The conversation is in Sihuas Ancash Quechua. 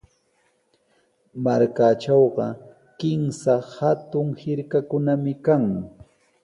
Markaatrawqa kimsa hatun hirkakunami kan.